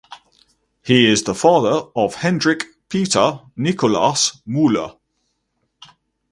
He is the father of Hendrik Pieter Nicolaas Muller.